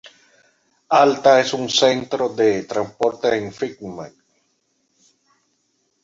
El siguiente diagrama muestra a las localidades en un radio de de East Sumter.